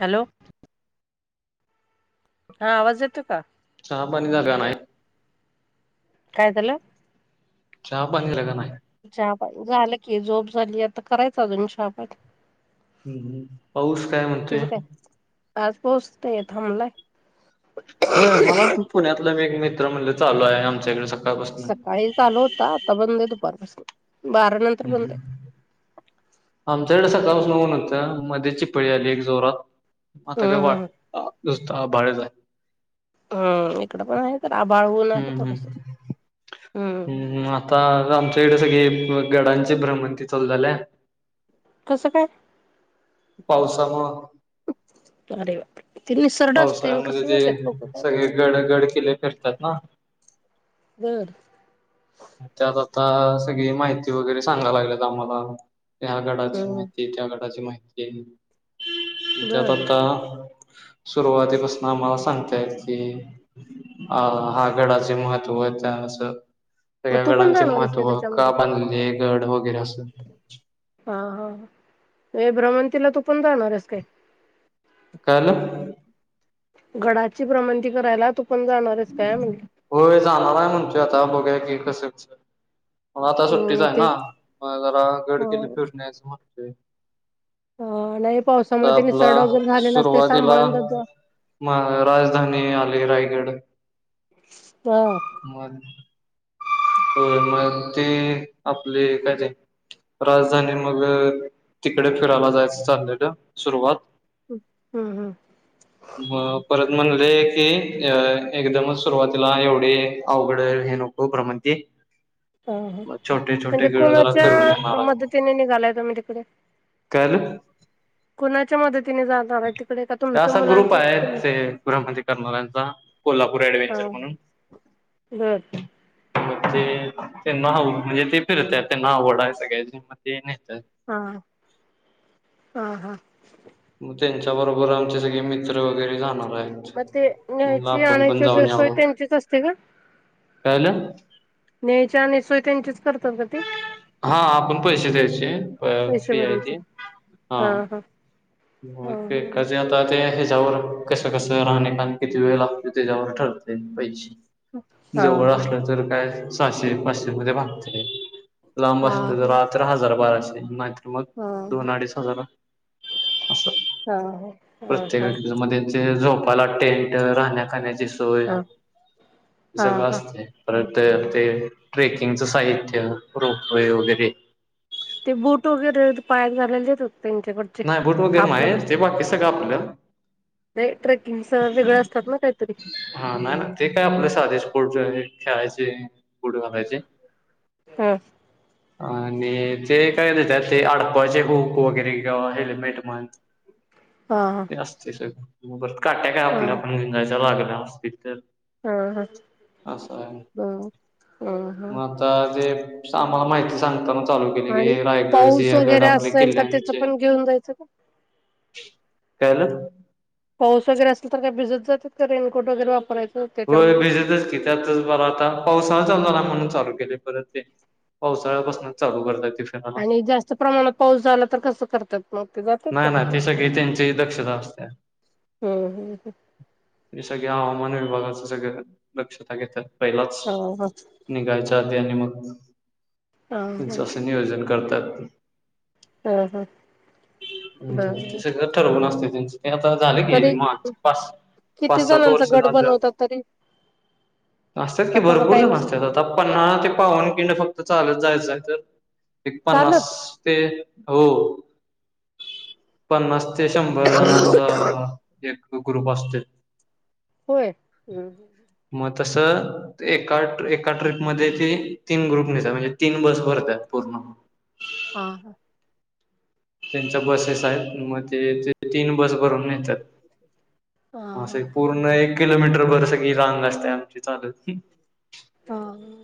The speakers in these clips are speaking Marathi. हॅलो हा आवाज येतो का. चहा पानी झाला नाही. काय झालं. चहा पाणी झाला का नाही. चहापाणी झालं की झोप झाली आता करायचं अजून [unintelligible] अं पाऊस काय तुझं म्हणतोय. काय? आज पोहोचतेय थांबलाय. हो मला पुण्यातलं मी एक मित्र म्हणले चालू आहे आमच्याकडे स सकाळी चालू होता आता बंद आहे दुपार पासन. हम्म आमच्याकडे सकाळ उन होत मध्ये चिपळी आली एक जोरात आता काय हम्म वा हम्म नुसत आभाळच आहे. हम्म इकडे पण आहे. तर आभाळ ऊन आहे अं थोडस हम्म अं आता आमच्या कडे गडांचे भ्रमंती चालू आहे. कसं काय पावसा मूळ. अरे बापरे ते निसर्ग असतय आणि पावसाळ्यामध्ये कसं जात्यात लोक ते काय सगळे माहित. गड गड किल्ले प्र असतात ना. गड. त्यात आता सगळी माहिती वगैरे सांगायला लागलेत आम्हाला ह्या गडाची हम्म माहिती त्या गडाची माहिती ती त्यात बर आता सुरुवातीपसन आम्हाला सांग कि अ हा गडाचे महत्व त्या असं मग सगळ्या तू पण गडांचे जाणार आहेस काय महत्व त्याच्यामध्ये का बांधले गड वगैरे अस हा हा हे भ्रमणतीला तू पण जाणारस काय? काय आलं. गडाची भ्रमणती करायला तू पण जाणार आहेस काय म्हणलं? होय जाणार आहे म्हणतोय आता बघूया की कस कस मग आता सुट्टीच हम्म आहे ना तेच मग जरा अ गड किल्ले फिरून यायचं म्हणतोय. अ नाही पावसामुळे आता ते आपला निसरड वगैरे झालेलं असते सुरुवातीला सांभाळून त्याच मग राजधानी आली रायगड हा म हो मग ते आपले काय ते राजधानी मग तिकड फिरायला जायचं चाललेलं सुरुवात हम्म हम्म. म परत म्हणले की अ एकदमच सुरुवातीला एवढे अवघड नको भ्रमणती ह ह म्हणजे जरा फिरून येणार कोणाच्या मदतीने निघालाय तुम्ही तिकडे काय आलं तुम्ही जाणार आहे तिकडे का तुमच्या ग्रुप मुलांचाच आहे तुम्ही ते भ्रमंती करणाऱ्यांचा कोल्हापूर हा ऍडव्हेंचर म्हणून बर ग ते त्यांना आव म्हणजे ते फिरत्यात त्यांना आवड आहे सगळ्याची म ते नेतात हा हा हा मग त्यांच्याबरोबर आमचे सगळे मित्र वगैरे जाणर मग ते न्यायची आणायची वगैरे जाऊन सोय यावं. त्यांचीच असते का काय झालं? न्यायची आणायची सोय त्यांचीच करतात का ते हा आपण पैसे द्यायचे अ पैसे फी आहे भरायचे ती हा होय हा ते कसे आता ते हे जाऊ कसं कसं राहणे आन किती वेळ लागतो त्याच्यावर ठरत पैसे हा जवळ असल तर काय सहाशे पाचशे मध्ये भागते लांब हा असतय जरा तर हजार बाराशे नाहीतर मग हा हा दोन अडीच हजार असं हा हा हा हा हा प्रत्येक व्यक् हा मध्येचे जो आपला टेंट राहण्या खाण्याची सोय हा हे हा सगळं हा असतय परत तर ते ट्रेकिंगच साहित्य रोपवेे वगैरे ते बूट वगैरे पायात घालायला देतात त्यांच्याकडचे नाही बूट वगैरे नाही कापलाच आहे असत ते बाकी सगळ आपलं नाही ट्रेकिंगच वेगळं असतात ना काहीतरी हा नाय नाय ते काय आपल साधच खेळायचे बूट घालायचे हा आणि ते काय घेतात ते आडकवायचे हूक वगैरे हेल्मेट म्हण हा ते असतय सगळं काट्या काय हा हा आपल्या आपण घेऊन जायच्या लागणार असतील तर हा अस आहे ह ह ह मग आता ते सांग माहिती सांगताना चालू केली की आणि हे रायगड पाऊस सिंहगड वगैरे आपल्या असेल तर त्याच किल्ल्यांचे पण घेऊन जायचं का काय ल पाऊस वगैरे असल तर का भिजत जातात का रेनकट वगैरे वापरायचं व्हय त्याच्यामध्ये भिजतच की त्यातच बर आता पावसाळा चालू झाला म्हणून चालू केलय परत ते पावसाळ्यापासनच चालू करतात ते फिरायला आणि जास्त प्रमाणात पाऊस झाला तर कसं करतात मग ते जातात का नाय नाय ते तसेच सगळी त्यांची दक्षता असत्या हम्म त सगळे हवामान सगळ लक्षता घ पहिच हम् ह निघायच्या आधी आणि मग ह ह त्यांचं असं नियोजन करतात हम हम हम तस ठरगून असते त्यांच ते आता झालं गेले तरी माग पाच किती पाच सात जणांचा वर्ष गट झालं बनवतात तरी असतात का की तसं भरपूर काही जण नसतं असतात आता पन्ना ते पावन्न किंड फक्त चालत जायचंय एक चालत पन्सते हो पन्नास ते शंभर जणांचा एक ग्रुप असत होयम तस एका एका ट्रीपमध्ये ते तीन ग्रुप नेतात म्हणजे तीन बस भरतात पूर्ण ह हा हा त्यांच्या बसेस आहेत मग ते ते तीन बस भरून येतात अस हा पूर्ण एक किलोमीटरभर सगी रांग असते आमची चालती हा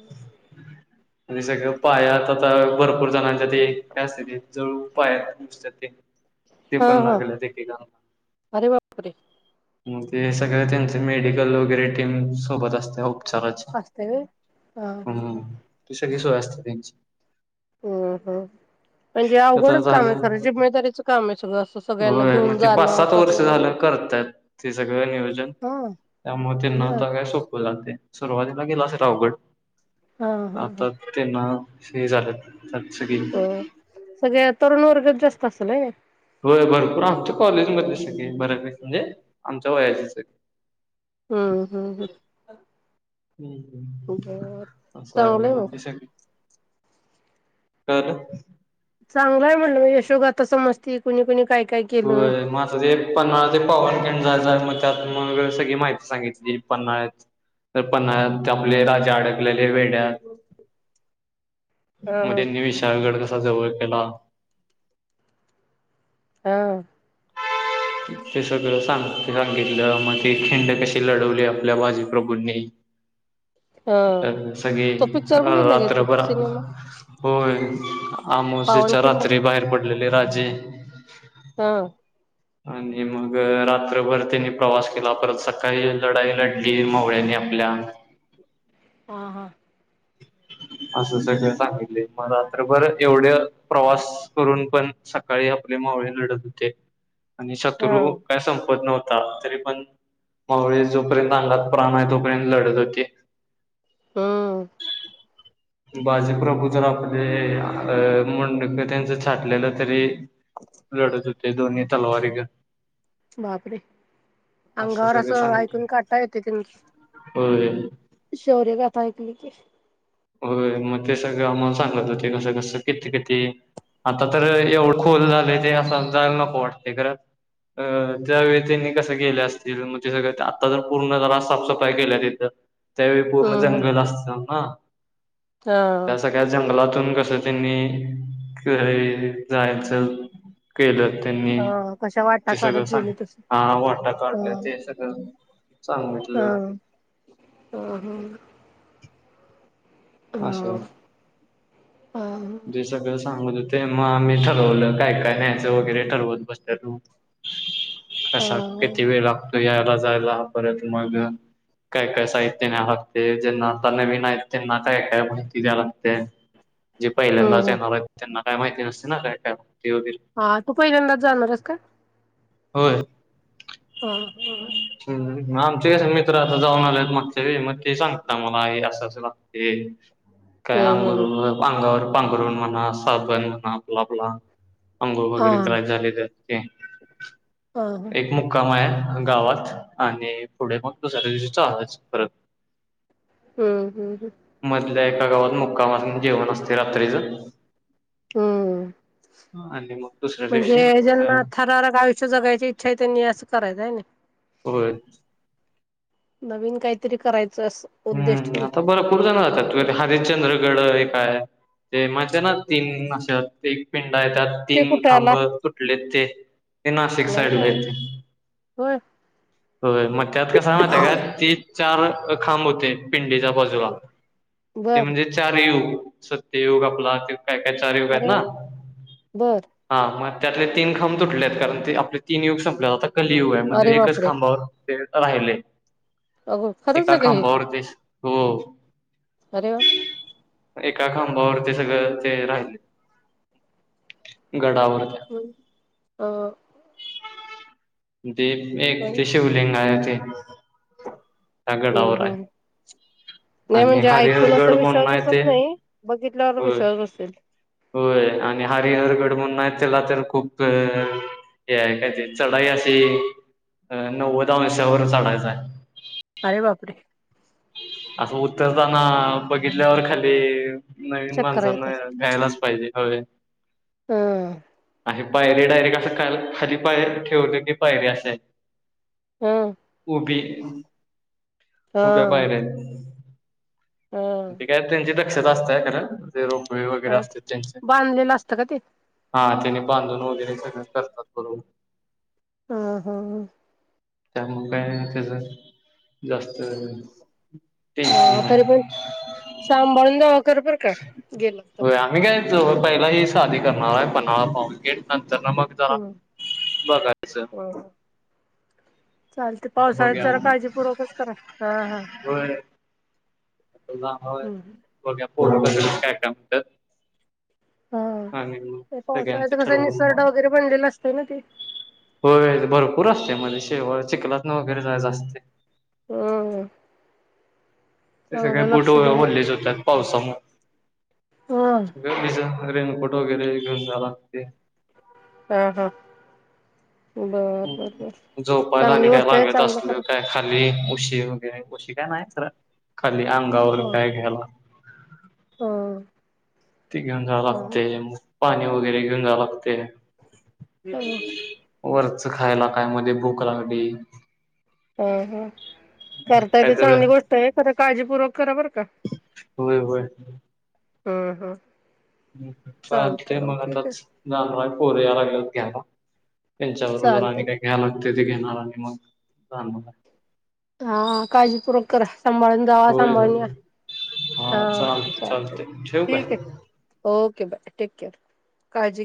[inaudible] आणि सगळं पाया आता आता भरपूर जणांच्या ते काय असते ते जळू पाया सुजतात ते [inaudible] ते हा पण हा लगतील. अरे बापरे मग ते सगळ त्यांचे मेडिकल वगैरे टीम सोबत असते उपचाराचे असतय व्हय हा हा हम हा त सगळी सोय असते त्यांची हम-हम म्हणजे आप आता अवघडच काम झालं आहे खरं जिम्मेदारीचं काम आहे सगळं असं सगळ्यांना होय घेऊन मग ते पाच जाणं सात वर्ष करणं म्हणजे झालं करतायत ते सगळं नियोजन हा त्यामुळे ते बर नता काय सोपव जाते. सुरुवातीला गेला अस रावगड हा हा हा आता त्यांना हे झाले. चछ की, ह सगळ्या तरुण वर्गात जास्त असतलय, होय भरपूर आमच्या कॉलेजमध्येध्ये सगळे बऱ्याचस म्हणजे आमच्या वयाचे सगळे. हम्म हम्म हम, चांगलंय मग [unintelligible] [unintelligible] चांगलाय म्हणलं यशोगात समजती कुणी कुणी काय काय केलं होय मता एक पण पवन कं मग त्यात मग सगळी माहिती सांगितली पन्ना तर पण आपले राजा अडकले हा हा [unintelligible] जवळ केला [inaudible] हा, [unintelligible] ते सगळ सांग सांगितलं मग ती खिंड कशी लढवली आपल्या बाजू प्रघुनी हा अ सगळी तो पिक्चर बघितला काय तू रात्रभरा सिनेमा हो आमोसेेच्या पावनखिंड रात्री बाहेर पडलेले राजे- हा, आणि मग रात्रभर त्यांनी प्रवास केला परत सकाळी लढाई लढली मावळ्याने [inaudible] हा-हा, [unintelligible] असं सगळ सांगितले म रात्रभर एवढे प्रवास करून पण सकाळी आपल्या त होते आणि शत्रू काय संपत नव्हते- तरी पण मावळे जोपर्यंत चांगलात प्राण आहे, तोपर्यंत लढत होती हम्म, [inaudible] बाजी प्रभू जर आपले मुंडक त्यांच छाटलेलं तरी लढत होते दोन्ही तलवारी घेऊन. बापरे अंगावर सगळं असं सांगितलं. ऐकून काटा येतोय होय. शोर्य गाथा ऐकली की होय मग ते सगळं आम्हाला सांगत होते कसं-कसं किती-किती आता तर एवढं खोल झालय ते असं आत जायला नको वाटतय खरं अं त्यावेळी त्यांनी कस केल्या असतील म्हणजे सगळं आत्ता जर पूर्ण जरा साफसफाई केल्यात इथ. त्यावेळी पूर्ण हम्म जंगल असत ना हम्म त्या सगळ्या जंगलात त्यातून कस त्यांनी कई जायचं केलं त्यांनी हा हा कशा वाटा ते सगळं काढत सांग गेले तस हा वाटा हा काढल्या तेन सगळं सांग हा म्हटलं. ह ह. आस ह जे सगळं सांगत होते मग आम्ही ठरवलं काय काय न्यायचं वगैरे ठरवत बसल्यालो. कसा हम्म किती वेळ लागतो यायल. ला परत मग काय काय साहित्य न्यायाला लागतय ज्यांना आता नवीन आहेत त्यांना काय काय माहिती द्याय लागत्या जे पहिल्यांदाच हम्म येणार आहेत त्यांना काय माहिती नसते ना काय काय--? वगैरे हा. तू पहिल्यांदाच जाणार आहेस का? होय. हा हा. ह आमचे कसे मित्र आता जाऊन आल्यात मागच्या वेळी मग ते सांगता मला हे असं असं लागतय. [inaudible] काय हम्म हम्म अंंगरून अंगावर पांघरुण, म्हणा साबण म्हणा, आपला आपला अंघोळ हा वगैरे करायची झाली तर हा ह एक मुक्काम आहे गावात. आणि पुढे मग दुसऱ्या दिवशी चालाच परत हम्म हम्म हम्म. मधल्या एका गावात मुक्काम अस जेवण असतय रात्रीच. हम्म. ह आणि मग दुसऱ्या दिवशी म्हणजे अ ज्यांना थरारक आयुष्य जगायची इच्छा आहे त्यांनी असं करायचं हाय नाइ. होय. नवीन काहीतरी करायचं. अस उद्देश हम् ठेवून आता भरपुर जाण जातात हरिशचंद्र गड काय ते माहिती आहे ना तीन अस एक पिं त्यात ते तीन कुठे आला खांब तुटले ते ते नाशिक नाही साईड का ला येतय. होय होय मग त्यात कसा आहे माहिती आहे का तीन, चार खांब होते पिंडीच्या बाजूला ते बर म्हणजे चार युग सत्ययुग आपला काय काय चार युग आहेत अरे ना वा बर हा मग त्यातले तीन खांब तुटले आहेत कारण ते आपले तीन युग संपल्यात आता कलयुग आहे म्हणजे अरे एकच बापरे खांबावर ते राहिले. अहो. एका खांबावरतीस हो. अरे वा! एका खांबावर ते सगळं ते राहिले. गडावर हम अ ते एक ते पण शिवलिंग आहे ते हम्म गडावर आहे हम्म. नाही आणि म्हणजे ऐकून असा हरिहरगड विश्वास म्हणून आहे बसत ते नाही बघितल्यावर होय विश्वास बसल. होय आणि हरिहरगड म्हण नाही त्याला तर खूप हे काय ते चढाई अस. ते नव्वदा अंशावरर चढायचं आहे. अरे बापरे असं उत्तरताना बघितल्यावर खाली नवीन चक्कर माणसांना गायलाच पाहिजे. हो. हम. अ पायरी डायरेक्ट अस ख खाली पायरी ठेवलेी पायरी असा आहे. ह उभी उभ्या ह पायर्या आहेत. ह ते काय त्यांची दक्षता असतय खरं. रोपवे वगैरे असते त्यांचे बांधलेलं असतं का ते हा त्याने बांधून वगैरे सगळं करतात बरोबर. हा हा. त्यामुळे काय त्याच जास्त टेन्शन ह नाही. तरी पण सांभाळून जावा खर. काय गेल तर होय आम्ही काय पहिला ह शादी करणारा आहे. पन्हाळा पाहून तर ना मग जरा हम्म बघायचं. चालते पावसाळ्यात बघूया जरा मग काळजीपूर्वकच करा. हा हा होय हं, [unintelligible] आणि मग हा सगळ्यांचं पावसाळ्याचा कसा ठरवून निसर्ड वगैरे बनलेला असत ना ते. हो भरपूर असते. म्हणे शेवाळ चिखलात ना वगैरे जायचं असते. अह ते सगळे बुट वलेच होतात पावसामुळे हा सगळे. रेनकोट वगैरे घेऊन जायला लागते. ह हा बर बर बर झोपायला आणि चांगली काय गोष्ट आहे वागच चांगलं असल करा काय खाली [unintelligible] खाली अंगावर हा काय घ्याला. हा ती घेऊन जावं हा लागते. पाणी वगैरे घेऊन जावं लागते. [unintelligible] वरचं खायला काय मध्ये भूक लागली. हा करताय ते काहीतरी चांगली गोष्ट आहे. खरं काळजीपूर्वक करा बर का. होय होय. ह ह चाल ते मग आताच जाणार पोर याय लागलेत घ्याला. त्यांच्यावर जर चालतंय आणि काय घ्याल लागते ते घेणार आणि मग जाणार. हा काळजीपूर्वक करा. सांभाळून जावा होय सांभाळून या. होय हा चालते ठीक आहे. Okay bye take care. काळजी घे.